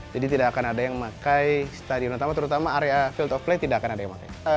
jadi tidak akan ada yang memakai stadion utama terutama area field of play tidak akan ada yang memakai